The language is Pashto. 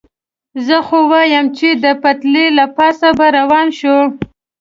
زه خو وایم، چې د پټلۍ له پاسه به روان شو.